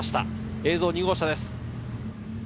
映像は２号車です。